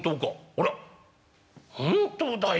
あらっ本当だよ。